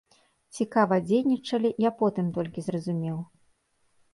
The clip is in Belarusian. Цікава дзейнічалі, я потым толькі зразумеў.